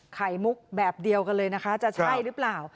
ไข่มุกแบบเดียวกันเลยนะคะจะใช่หรือเปล่า